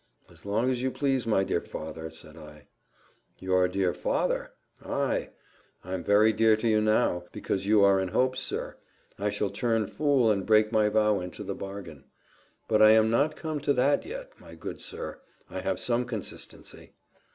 "As long as you please, my dear father," said I. "Your dear father! ay, I'm very dear to you now, because you are in hopes, sir, I shall turn fool, and break my vow into the bargain; but I am not come to that yet, my good sir I have some consistency."